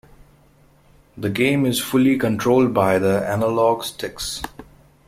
The game is fully controlled by the analog sticks.